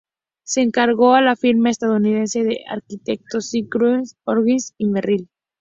Se encargó a la firma estadounidense de arquitectos Skidmore, Owings y Merril.